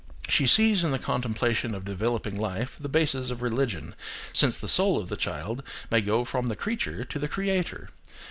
She sees in the contemplation of developing life the bases of religion, since the soul of the child may go from the creature to the Creator.